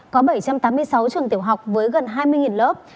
có bảy trăm tám mươi sáu trường tiểu học với gần hai mươi lớp